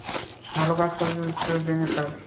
ভাল কাজ করেছ, জেনিফার।